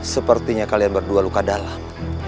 sepertinya kalian berdua luka dalam